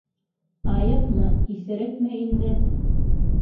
Айыҡмы, иҫерекме инде?